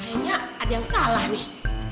kayaknya ada yang salah nih